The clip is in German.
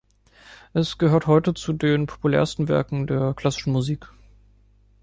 Es gehört heute zu den populärsten Werken der klassischen Musik.